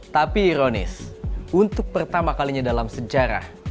tapi ironis untuk pertama kalinya dalam sejarah